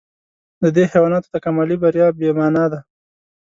د دې حیواناتو تکاملي بریا بې مانا ده.